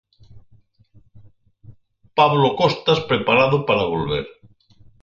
Pablo Costas preparado para volver.